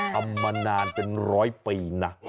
ทำมานานเป็นร้อยปีนะ